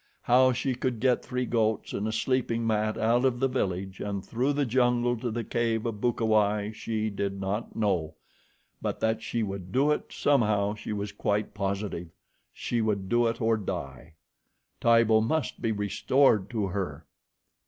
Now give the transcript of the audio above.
How she could get three goats and a sleeping mat out of the village and through the jungle to the cave of Bukawai, she did not know, but that she would do it somehow she was quite positive she would do it or die. Tibo must be restored to her.